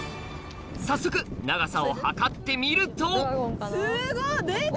早速長さを測ってみるとすごっ！